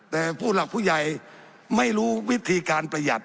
แต่ผู้หลักผู้ใหญ่ไม่รู้วิธีการประหยัด